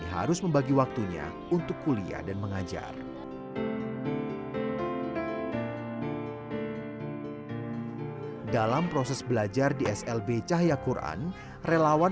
harus membagi waktunya untuk kuliah dan mengajar dalam proses belajar di slb cahya quran relawan